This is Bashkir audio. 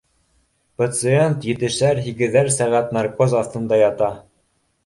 Пациент етешәр-һигеҙәр сәғәт наркоз аҫтында ята